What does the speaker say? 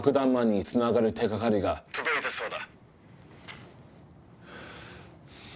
届いたそうだ。